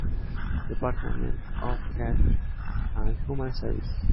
Department of Health and Human Services.